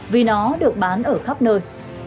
vì nó được bán ở khắp nơi